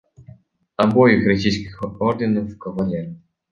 Обоих российских орденов кавалер!..